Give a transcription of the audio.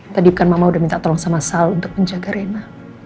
tadi bukan mama udah minta tolong sama sal untuk menjaga rena